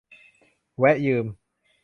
แวะยืม